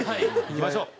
いきましょう。